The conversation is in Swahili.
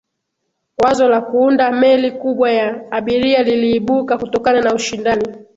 wazo la kuunda meli kubwa ya abiria liliibuka kutokana na ushindani